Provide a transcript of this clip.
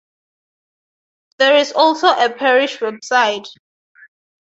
There is also a parish website.